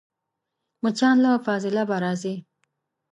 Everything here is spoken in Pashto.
مچان له فاضلابه راځي